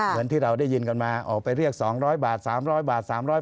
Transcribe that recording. เหมือนที่เราได้ยินกันมาออกไปเรียก๒๐๐บาท๓๐๐บาท๓๐๐บาท